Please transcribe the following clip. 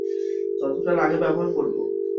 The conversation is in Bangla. যতটা লাগে, ব্যবহার করবো।